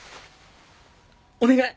お願い！